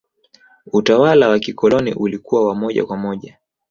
utawala wa kikoloni ulikuwa wa moja kwa moja